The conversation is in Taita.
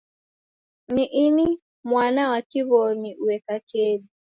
Ini ni mwana wa kiw'omi ueka kedu.